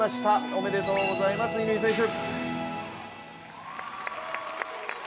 おめでとうございます、乾選手！